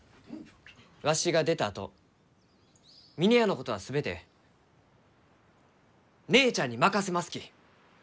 わしが出たあと峰屋のことは全て姉ちゃんに任せますき。